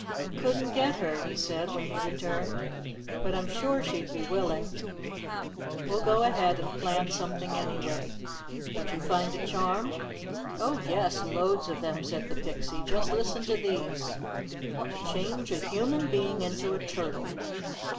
"I couldn't get her," he said when he returned. "But I'm sure she'll be willing. We'll go ahead and plan something anyway. Did you find a charm?" "Oh, yes, loads of them," said the Pixie. "Just listen to these: "'TO CHANGE A HUMAN BEING INTO A TURTLE.